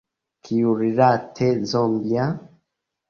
Kiurilate zombia?